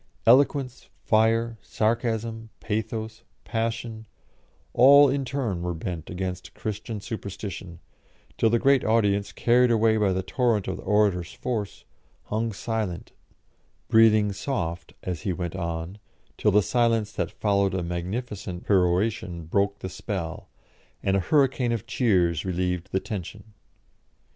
Eloquence, fire, sarcasm, pathos, passion, all in turn were bent against Christian superstition, till the great audience, carried away by the torrent of the orator's force, hung silent, breathing soft, as he went on, till the silence that followed a magnificent peroration broke the spell, and a hurricane of cheers relieved the tension.